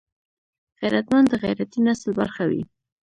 غیرتمند د غیرتي نسل برخه وي